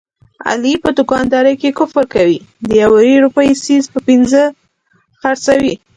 علي په دوکاندارۍ کې کفر کوي، د یوې روپۍ څیز په پینځه خرڅوي.